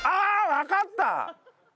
わかった！